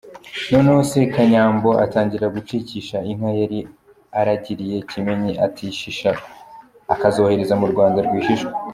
Noneho Sekanyambo atangira gucikisha inka yari aragiriye Kimenyi atishisha; akazohereza mu Rwanda rwihishwa.